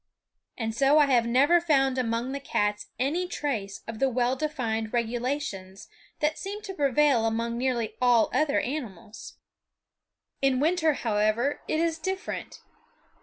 And so I have never found among the cats any trace of the well defined regulations that seem to prevail among nearly all other animals. In winter, however, it is different.